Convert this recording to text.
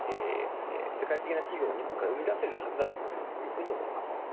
世界的な企業を日本から生みだせるはずだというふうに思います。